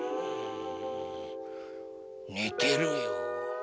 ねてるよ。